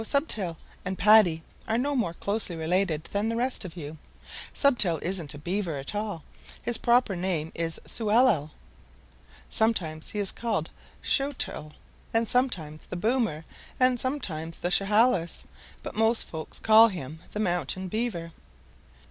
Stubtail and Paddy are no more closely related than the rest of you. Stubtail isn't a Beaver at all. His proper name is Sewellel. Sometimes he is called Showt'l and sometimes the Boomer, and sometimes the Chehalis, but most folks call him the Mountain Beaver."